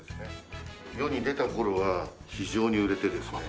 世に出た頃は非常に売れてですね